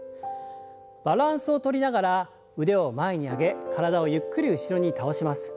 バランスをとりながら腕を前に上げ体をゆっくり後ろに倒します。